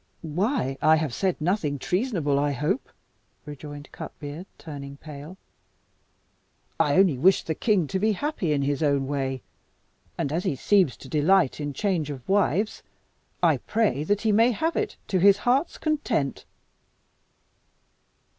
"Why, I have said nothing treasonable, I hope?" rejoined Cutbeard, turning pale; "I only wish the king to be happy in his own way. And as he seems to delight in change of wives, I pray that he may have it to his heart's content."